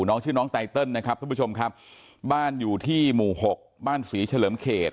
น้องชื่อน้องไตเติลนะครับทุกผู้ชมครับบ้านอยู่ที่หมู่หกบ้านศรีเฉลิมเขต